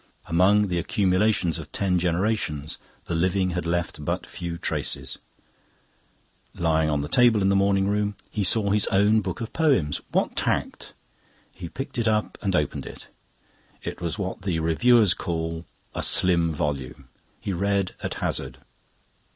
Among the accumulations of ten generations the living had left but few traces. Lying on the table in the morning room he saw his own book of poems. What tact! He picked it up and opened it. It was what the reviewers call "a slim volume." He read at hazard